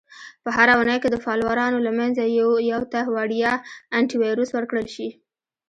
- په هره اونۍ کې د فالوورانو له منځه یو ته وړیا Antivirus ورکړل شي.